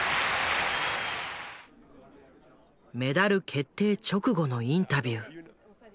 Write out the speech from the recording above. メダル決定直後のインタビュー。